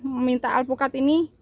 meminta alpukat ini